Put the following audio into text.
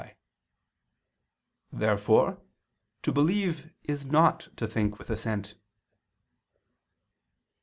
Therefore to believe is not to think with assent.